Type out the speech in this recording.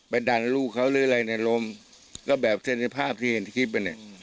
ดันลูกเขาหรืออะไรในลมก็แบบเส้นในภาพที่เห็นในคลิปมันเนี่ย